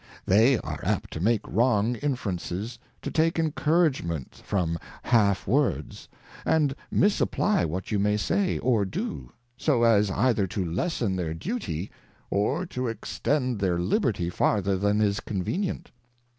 They are apt to make wrong Inferences, to take Encouragement from half Words, and mis apply what you may say or do, so as either to lessen their Duty, or to extend their Liberty farther than is convenient.